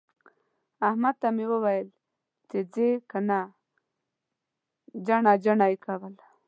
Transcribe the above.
احمد ته مې وويل چې ځې که نه؟ جڼه جڼه يې کول.